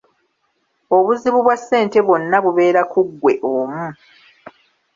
Obuzibu bwa ssente bwonna bubeera ku ggwe omu.